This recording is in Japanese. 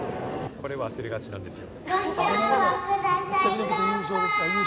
これ忘れがちなんですよ。